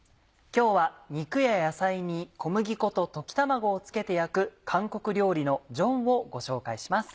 今日は肉や野菜に小麦粉と溶き卵を付けて焼く韓国料理のジョンをご紹介します。